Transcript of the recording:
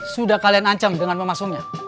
sudah kalian ancam dengan memasumnya